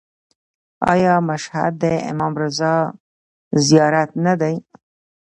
آیا مشهد د امام رضا زیارت نه دی؟